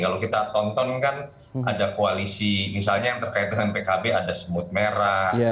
kalau kita tonton kan ada koalisi misalnya yang terkait dengan pkb ada semut merah